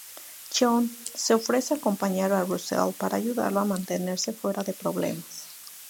John se ofrece a acompañar a Russell para ayudarlo a mantenerse fuera de problemas.